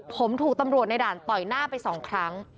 ผมถูกตำรวจในด่านต่อยหน้าไปสองครั้ง